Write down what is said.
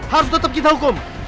harus tetap kita hukum